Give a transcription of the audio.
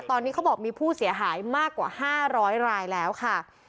ตอนนี้เขาบอกมีผู้เสียหายมากกว่า๕๐๐รายแล้วค่ะ